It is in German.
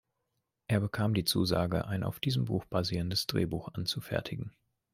Er bekam die Zusage, ein auf diesem Buch basierendes Drehbuch anzufertigen.